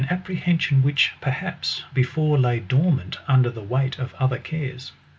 237 apprehension which, perhaps, before lay dormant under the weight of other cares.